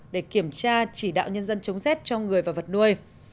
để kiểm tra chỉ đạo nhân dân chống rét cho người và vật nuôi